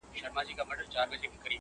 o چيري چي ښه هلته ئې شپه!